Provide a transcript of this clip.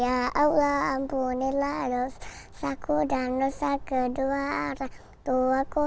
ya allah ampunilah rusaku dan rusak kedua orang tuaku